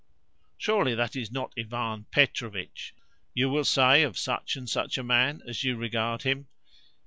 "Surely that is not Ivan Petrovitch?" you will say of such and such a man as you regard him.